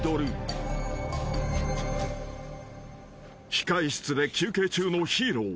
［控室で休憩中のヒーロー。